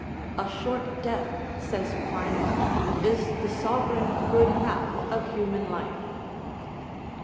A short death," says Pliny, "is the sovereign good hap of human life.